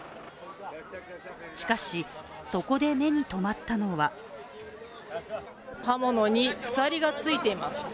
しかし、そこで目にとまったのは刃物に鎖がついています。